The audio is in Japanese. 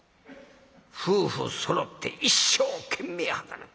夫婦そろって一生懸命働く。